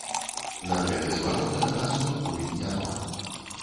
На гэты зварот адказу пакуль няма.